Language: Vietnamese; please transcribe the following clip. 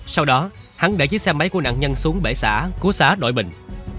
sau đó hắn để chiếc xe máy của nạn nhân xuống bể xã của xã đội bình